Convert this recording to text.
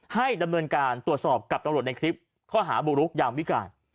ให้ดำเนินการตรวจสอบกับตำรวจในคลิปข้อหาบุกรุกยามวิการ